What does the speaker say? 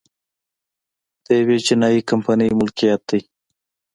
د یوې چینايي کمپنۍ ملکیت دی